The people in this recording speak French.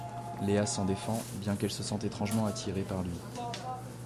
Léa s'en défend, bien qu'elle se sente étrangement attirée par lui.